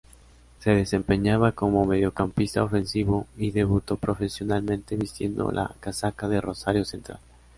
Se desempeñaba como mediocampista ofensivo y debutó profesionalmente vistiendo la casaca de Rosario Central.